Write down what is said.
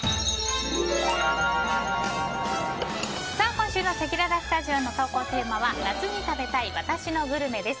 今週のせきららスタジオの投稿テーマは夏に食べたい私のグルメです。